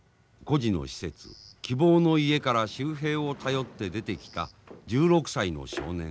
孤児の施設希望の家から秀平を頼って出てきた１６歳の少年